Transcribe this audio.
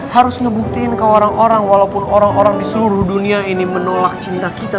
harus ngebuktiin ke orang orang walaupun orang orang di seluruh dunia ini menolak cinta kita